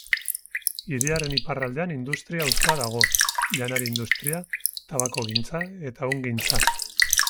Hiriaren iparraldean industria auzoa dago: janari industria, tabakogintza eta ehungintza.